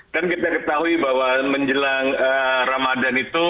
dan kita ketahui bahwa menjelang ramadan itu